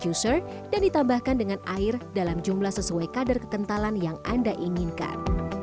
dalam juicer dan ditambahkan dengan air dalam jumlah sesuai kadar ketentalan yang anda inginkan